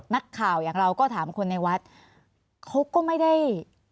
นักข่าวอย่างเราก็ถามคนในวัดเขาก็ไม่ได้